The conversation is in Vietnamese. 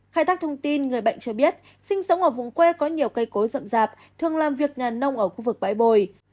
khai thác thông tin người bệnh cho biết sinh sống ở vùng quê có nhiều cây cối rậm rạp thường làm việc nhà nông ở khu vực bãi bồi